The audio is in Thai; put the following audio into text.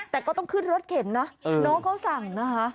แต่ก็ต้องขึ้นรถเข็นนะน้องเขาสั่งนะคะ